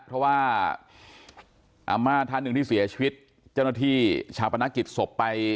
เพราะว่าอาม่าท่านหนึ่งที่เสียชีวิตเจ้าหน้าที่ชาปนกิจศพไป